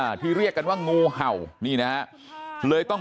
ขอบคุณเลยนะฮะคุณแพทองธานิปรบมือขอบคุณเลยนะฮะ